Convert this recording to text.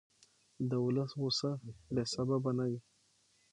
د ولس غوسه بې سببه نه وي